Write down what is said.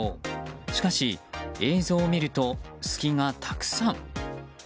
しかし、映像を見ると隙がたくさん。